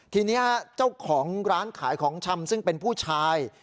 ทีนี้เจ้าของร้านขายของชำซึ่งเป็นผู้ชาย